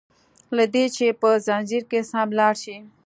له دي چي په ځنځير کي سم لاړ شي